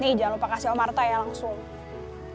nih jangan lupa kasih om marta ya langsung